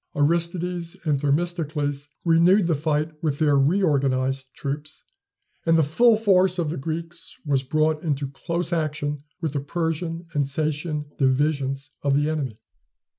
Aristides and Themistocles renewed the fight with their reorganized troops, and the full force of the Greeks was brought into close action with the Persian and Sacean divisions of the enemy.